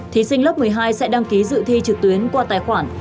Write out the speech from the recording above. thí sinh lớp một mươi hai sẽ đăng ký dự thi trực tuyến qua tài khoản